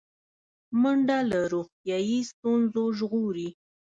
منډه له روغتیایي ستونزو ژغوري